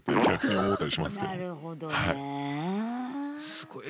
すごい。